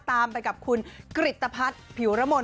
ตามไปกับคุณกริตภัทรผิวระมน